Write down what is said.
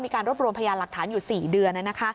มีการรวบรวมพยานหลักฐานอยู่๔เดือน